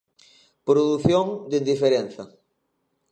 Produción de indiferenza.